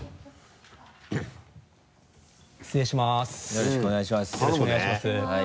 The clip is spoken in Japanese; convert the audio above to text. よろしくお願いします。